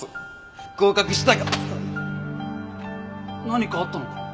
何かあったのか？